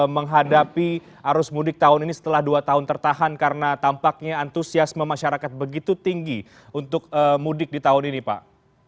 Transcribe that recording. menghadapi arus mudik tahun ini setelah dua tahun tertahan karena tampaknya antusiasme masyarakat begitu tinggi untuk mudik di tahun ini pak